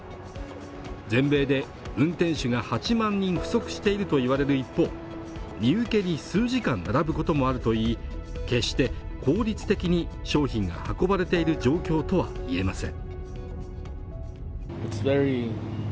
全米で運転手が８万人不足していると言われると身請けに数時間並ぶこともあるといい決して効率的に商品が運ばれている状況と言えません